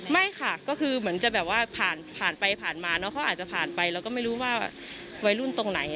ไม่ค่ะก็คือเหมือนจะแบบว่าผ่านผ่านไปผ่านมาเนอะเขาอาจจะผ่านไปเราก็ไม่รู้ว่าวัยรุ่นตรงไหน